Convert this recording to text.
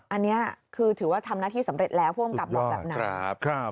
อันนี้คือถือว่าทำหน้าที่สำเร็จแล้วผู้กำกับบอกแบบนั้น